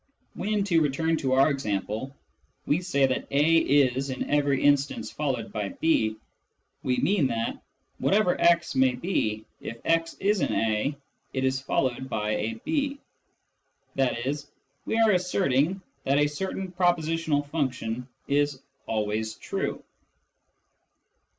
When, to return to our example, we say that A is in every instance followed by B, we mean that, whatever x may be, if x is an A, it is followed by a B ; that is, we are asserting that a certain propositional function is " always true."